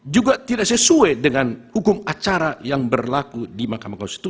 juga tidak sesuai dengan hukum acara yang berlaku di mahkamah konstitusi